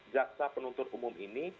jaksa penuntut umum ini